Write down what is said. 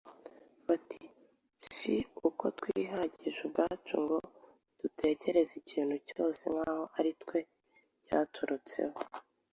bati: “Si uko twihagije ubwacu ngo dutekereze ikintu cyose nk’aho ari twe cyaturutseho